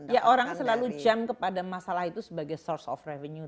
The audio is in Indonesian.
ya orang selalu jump kepada masalah itu sebagai source of revenue